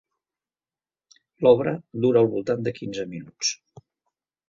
L'obra dura al voltant de quinze minuts.